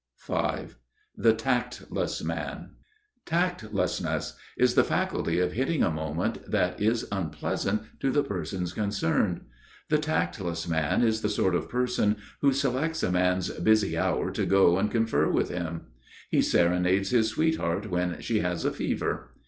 V The Tactless Man (Ἀκαιρία) Tactlessness is the faculty of hitting a moment that is unpleasant to the persons concerned. The tactless man is the sort of person who selects a man's busy hour to go and confer with him. He serenades his sweetheart when she has a fever.